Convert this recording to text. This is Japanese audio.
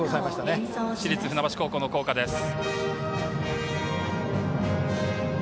市立船橋高校の校歌です。